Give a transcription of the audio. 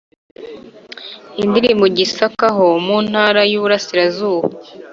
Indi iri mu Gisaka ho mu Ntara y’ Ubuurasirazuba